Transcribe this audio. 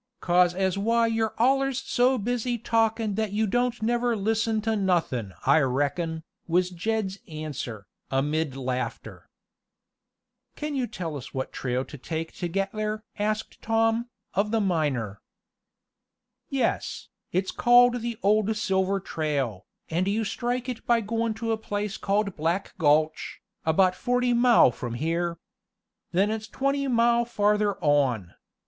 "'Cause as why you're allers so busy talkin' that you don't never listen to nothin' I reckon," was Jed's answer, amid laughter. "Can you tell us what trail to take to get there?" asked Tom, of the miner. "Yes, it's called the old silver trail, and you strike it by goin' to a place called Black Gulch, about forty mile from here. Then it's twenty mile farther on.